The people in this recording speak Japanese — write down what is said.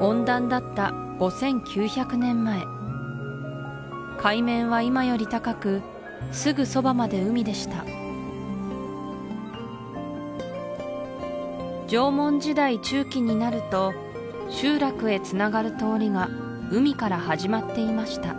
温暖だった５９００年前海面は今より高くすぐそばまで海でした縄文時代中期になると集落へつながる通りが海から始まっていました